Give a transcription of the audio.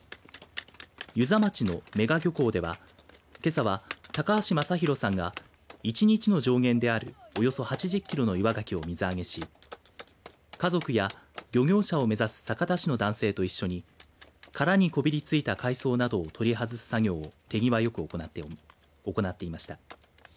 遊佐町の女鹿漁港ではけさは、高橋正博さんが１日の上限であるおよそ８０キロの岩ガキを水揚げし家族や漁業者を目指す酒田市の男性と一緒に殻にこびりついた海藻などを取り外す作業を手際よく行っていました。